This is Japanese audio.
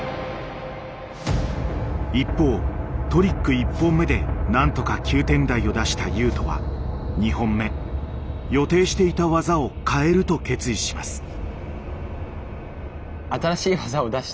一方トリック１本目で何とか９点台を出した雄斗は２本目予定していた技を変えると決意します。